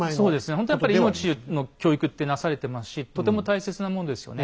ほんとやっぱり命の教育ってなされてますしとても大切なものですよね。